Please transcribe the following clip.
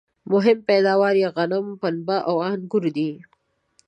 مهم پیداوار یې غنم ، پنبه او انګور دي